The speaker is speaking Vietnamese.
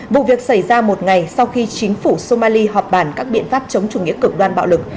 vụ việc xảy ra một ngày sau khi chính phủ somali họp bàn các biện pháp chống chủ nghĩa cực đoan bạo lực